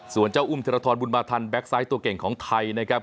ส่วนเจ้าอุ้มธิรทรบุญมาทันแก๊กไซต์ตัวเก่งของไทยนะครับ